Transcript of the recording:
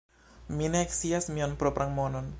mi ne scias mian propran nomon.